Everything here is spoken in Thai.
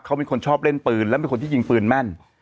เขาเป็นคนชอบเล่นปืนและเป็นคนที่ยิงปืนแม่น